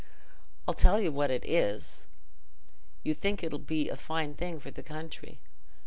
I'll tell you what it is: you think it'll be a fine thing for the country.